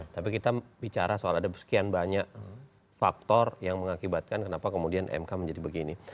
tapi kita bicara soal ada sekian banyak faktor yang mengakibatkan kenapa kemudian mk menjadi begini